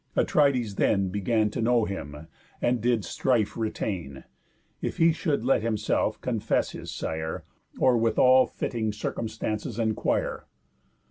Atrides then Began to know him, and did strife retain, If he should let himself confess his sire, Or with all fitting circumstance enquire.